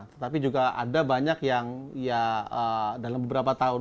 tetapi juga ada banyak yang ya dalam beberapa tahun